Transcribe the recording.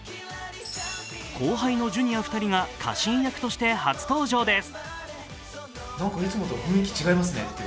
後輩のＪｒ．２人が家臣役として初登場です。